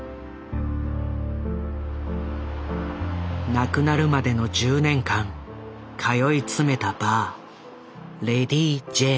亡くなるまでの１０年間通い詰めたバーレディ・ジェーン。